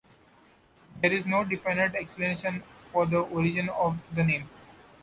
There is no definite explanation for the origin of the name.